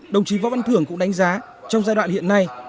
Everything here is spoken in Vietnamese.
đồng chí võ văn thưởng cũng đánh giá trong giai đoạn hiện nay